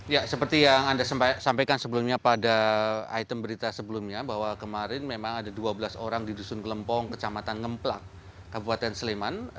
ya seperti yang anda sampaikan sebelumnya pada item berita sebelumnya bahwa kemarin memang ada dua belas orang di dusun kelempong kecamatan ngemplak kabupaten sleman